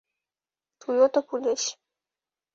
তুইও তো পুলিশ।